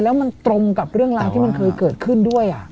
แล้วมันตรงกับเรื่องราวที่มันเคยเกิดขึ้นด้วย